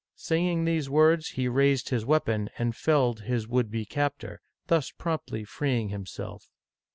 " Saying these words, he raised his weapon and felled his would be captor, thus promptly freeing himself.